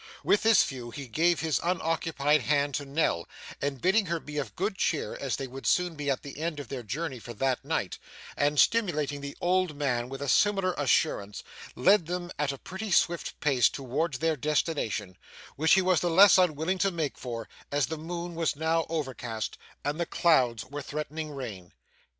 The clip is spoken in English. With this view he gave his unoccupied hand to Nell, and bidding her be of good cheer as they would soon be at the end of their journey for that night, and stimulating the old man with a similar assurance, led them at a pretty swift pace towards their destination, which he was the less unwilling to make for, as the moon was now overcast and the clouds were threatening rain.